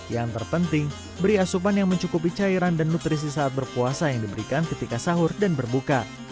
yang terpenting beri asupan yang mencukupi cairan dan nutrisi saat berpuasa yang diberikan ketika sahur dan berbuka